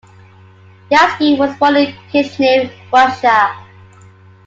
Yassky was born in Kishinev, Russia.